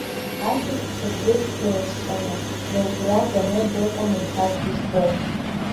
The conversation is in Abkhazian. Аҭырқәцәа дрыдгылаҵәҟьаны, рыгәра ганы дыҟан уҳәартә избом.